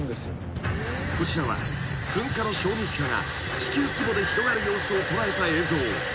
［こちらは噴火の衝撃波が地球規模で広がる様子を捉えた映像］